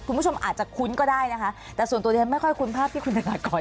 คุณผู้ชมอาจจะคุ้นก็ได้นะคะแต่ส่วนตัวดิฉันไม่ค่อยคุ้นภาพที่คุณธนากร